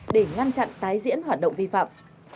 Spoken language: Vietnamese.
để ngăn chặn tái diễn hoạt động vi phạm